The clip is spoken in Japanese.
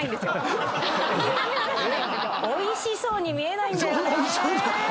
おいしそうに見えない。